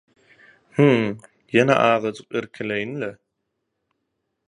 - Hmm. Ýene azajyk irkileýin-le...